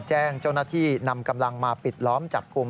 แจ้งเจ้าหน้าที่นำกำลังมาปิดล้อมจับกลุ่ม